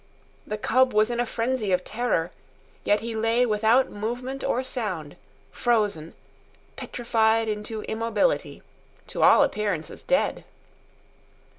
The cub was in a frenzy of terror, yet he lay without movement or sound, frozen, petrified into immobility, to all appearances dead.